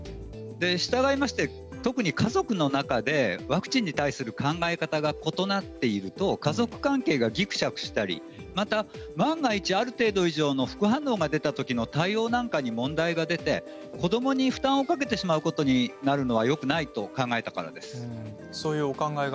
したがいまして特に家族の中でワクチンに対する考え方が異なっていると家族関係がぎくしゃくしたり万が一、ある程度以上の副反応が出たときの対応なんかで問題が出て子どもに負担をかけてしまうことになるのはよくないと考えたからです。